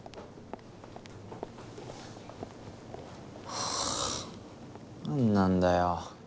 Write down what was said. はあ何なんだよ。